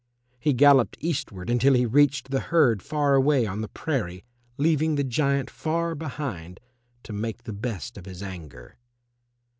He galloped eastward until he reached the herd far away on the prairie, leaving the giant far behind to make the best of his anger.